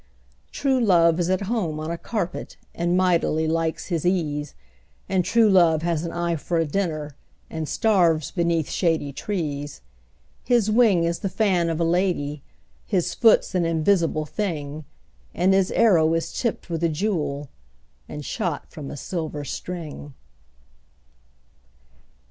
True love is at home on a carpet, And mightily likes his ease And true love has an eye for a dinner, And starves beneath shady trees. His wing is the fan of a lady, His foot's an invisible thing, And his arrow is tipped with a jewel, And shot from a silver string.